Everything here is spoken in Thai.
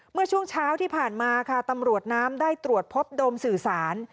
เมื่อช่วงเช้าที่ผ่านมาค่ะตำรวจน้ำได้ตรวจพบโดมสื่อสาร